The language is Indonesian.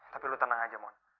tapi lo tenang aja mon